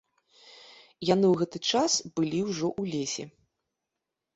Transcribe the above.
Яны ў гэты час былі ўжо ў лесе.